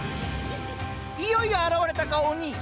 いよいよ現れたか鬼。